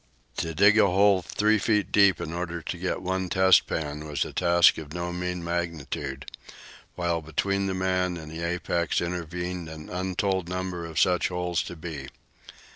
To dig a hole three feet deep in order to get one test pan was a task of no mean magnitude; while between the man and the apex intervened an untold number of such holes to be dug.